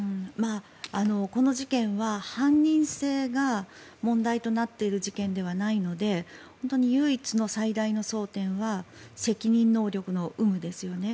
この事件は犯人性が問題となっている事件ではないので本当に唯一の最大の争点は責任能力の有無ですよね。